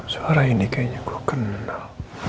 suara ini kayaknya gua kenal